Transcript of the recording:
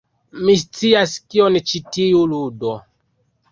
Mi scias kion ĉi tiu ludo...